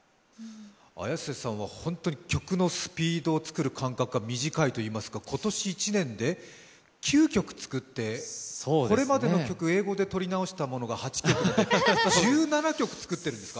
Ａｙａｓｅさんは本当にスピードを作る感覚が短いといいますか、今年１年で９曲作って、これまでの曲英語で録り直したものが８曲で１７曲作ってるんですか？